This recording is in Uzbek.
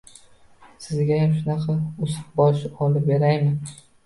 Sizgayam shunaqa ust-bosh olib beraymi?